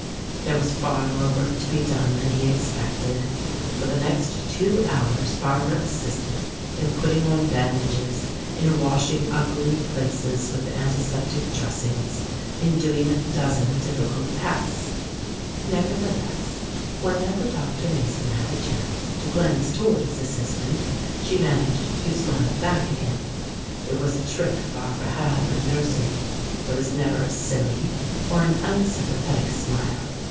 There was far more work to be done than he expected. For the next two hours Barbara assisted in putting on bandages, in washing ugly places with antiseptic dressings, in doing a dozen difficult tasks. Nevertheless, whenever Dr. Mason had a chance to glance toward his assistant she managed to smile back at him. It was a trick Barbara had when nursing. It was never a silly or an unsympathetic smile.